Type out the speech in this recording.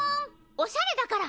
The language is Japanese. おしゃれだから。